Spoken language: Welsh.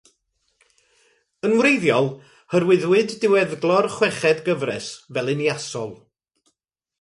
Yn wreiddiol, hyrwyddwyd diweddglo'r chweched gyfres fel un iasol.